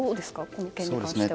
この点に関しては。